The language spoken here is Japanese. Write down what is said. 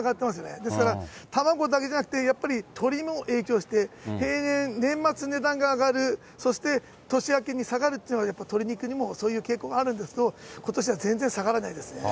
ですから卵だけじゃなくて、やっぱり鶏も影響して、平年、年末、値段が上がる、そして年明けに下がるっていう、やっぱ鶏肉にもそういう傾向があるんですけど、ことしは全然下がらないですね。